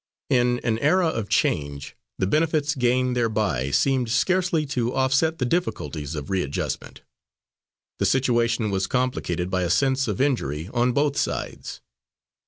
In an era of change, the benefits gained thereby seemed scarcely to offset the difficulties of readjustment. The situation was complicated by a sense of injury on both sides.